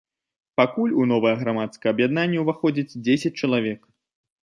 Пакуль у новае грамадскае аб'яднанне ўваходзяць дзесяць чалавек.